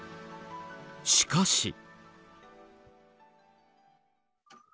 しかし。